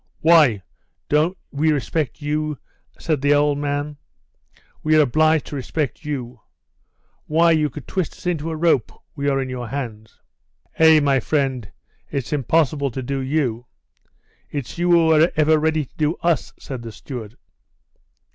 "Why, don't we respect you?" said an old man. "We are obliged to respect you. Why, you could twist us into a rope; we are in your hands." "Eh, my friend, it's impossible to do you. It's you who are ever ready to do us," said the steward.